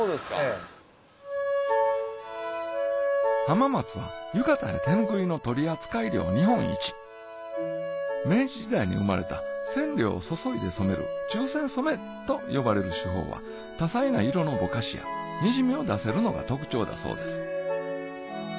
浜松は浴衣や手拭いの取扱量日本一明治時代に生まれた染料を注いで染めると呼ばれる手法は多彩な色のボカシやにじみを出せるのが特徴だそうです